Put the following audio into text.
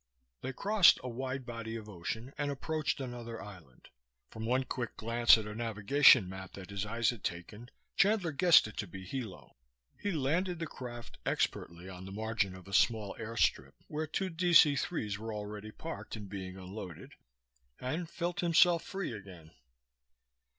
They crossed a wide body of ocean and approached another island; from one quick glance at a navigation map that his eyes had taken, Chandler guessed it to be Hilo. He landed the craft expertly on the margin of a small airstrip, where two DC 3s were already parked and being unloaded, and felt himself free again.